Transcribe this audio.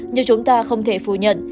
nhưng chúng ta không thể phủ nhận